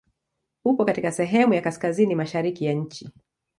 Upo katika sehemu ya kaskazini mashariki ya nchi.